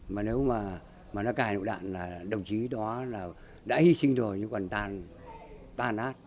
mà nếu mà nó gai nụ đạn là đồng chí đó là đã hy sinh rồi nhưng còn tan át